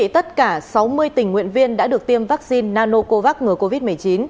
tất cả sáu mươi tình nguyện viên đã được tiêm vaccine nanocovax ngừa covid một mươi chín